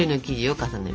重ねる？